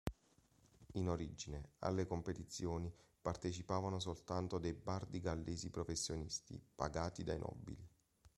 In origine alle competizioni partecipavano soltanto dei bardi gallesi professionisti pagati dai nobili.